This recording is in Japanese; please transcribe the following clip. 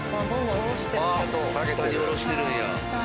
下に下ろしてるんや。